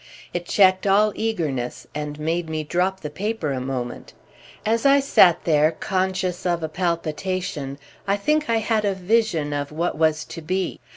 It checked all eagerness and made me drop the paper a moment. As I sat there conscious of a palpitation I think I had a vision of what was to be.